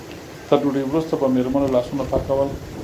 تر ډوډۍ وروسته به مېرمنو لاسونه پاکول.